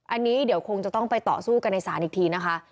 อันนี้เดี๋ยวคงจะต้องไปต่อสู้กันในศาลอีกทีนะคะ